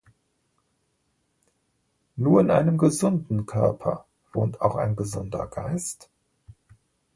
Nur in einem gesunden Körper wohnt auch ein gesunder Geist?